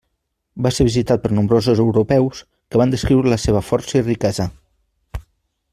Va ser visitat per nombrosos europeus que van descriure la seva força i riquesa.